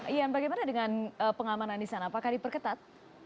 ian bagaimana dengan pengamanan di sana apakah diperketat